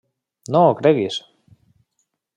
-No ho creguis.